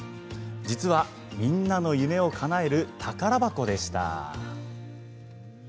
実は、みんなの夢をかなえる宝箱でした。